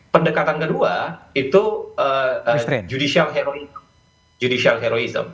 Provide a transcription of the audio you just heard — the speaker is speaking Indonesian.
pendekatan kedua itu judicial judicial heroism